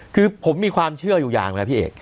คือผมมีความเชื่ออยู่อย่างนะพี่เอก